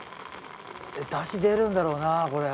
えっ出汁出るんだろうなこれ。